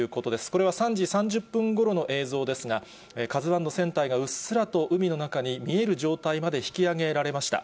これは３時３０分ごろの映像ですが、ＫＡＺＵＩの船体がうっすらと海の中に見える状態まで引き揚げられました。